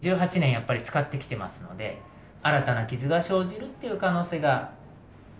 やっぱり使ってきてますので新たな傷が生じるという可能性がやっぱりゼロではない。